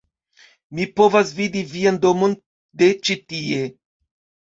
"mi povas vidi vian domon de ĉi-tie!"